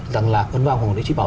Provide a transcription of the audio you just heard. rằng là ấn phạm hồng đế chí bảo